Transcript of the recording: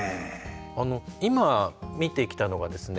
あの今見てきたのがですね